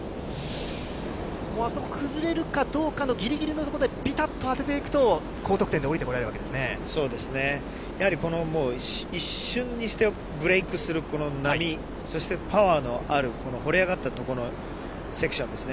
あそこが崩れるかどうかのぎりぎりのところでピタッと当てていくと高得点でやはり一瞬にしてブレークする波、パワーのある盛り上がったところのセクションですね。